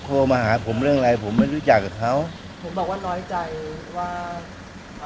ความขัดแหยงอีกครั้งค่ะท่านมัธมารยกต์ออกมาออกสารขอโทษประชาเช็นของท่านน้องค่ะ